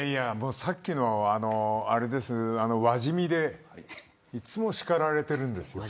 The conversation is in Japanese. さっきの輪染みでいつも叱られているんです。